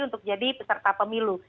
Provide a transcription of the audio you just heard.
untuk jadi peserta pemilu